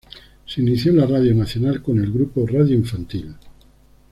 Se inició en la radio nacional en el grupo Radio-Infantil.